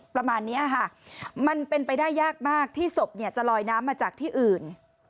ประมาณนี้ค่ะมันเป็นไปได้ยากมากที่ศพจะลอยน้ำมาจากที่อื่น